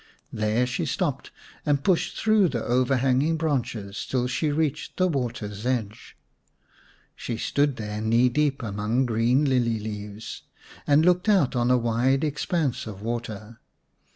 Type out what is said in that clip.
There she stopped and pushed through the overhanging branches till she reached the water's edge. She stood there, knee deep among green lily leaves, and looked out on a wide expanse of water.